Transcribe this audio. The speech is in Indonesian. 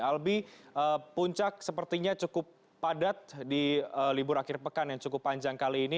albi puncak sepertinya cukup padat di libur akhir pekan yang cukup panjang kali ini